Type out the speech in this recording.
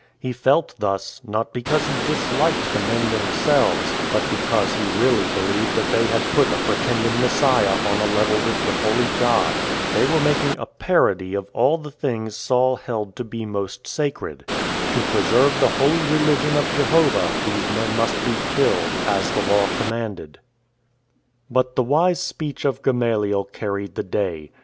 He felt thus, not because he disliked the men themselves, but because he really believed that they had put a Pretending Messiah on a level with the Holy God. They were making a parody of all the things Saul held to be most sacred. To preserve the holy religion of Jehovah these men must be killed, as the Law commanded. SCOURGE OF THE NAZARENES 69 But the wise speech of Gamaliel carried the day.